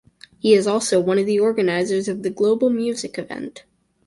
He is also one of the organizers of the Global Music event.